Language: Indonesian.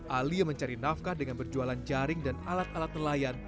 ali yang mencari nafkah dengan berjualan jaring dan alat alat nelayan